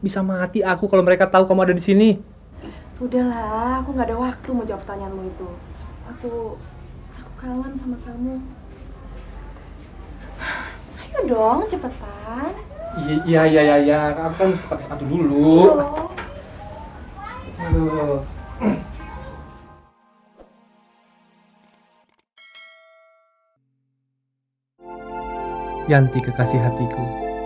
yanti kekasih hatiku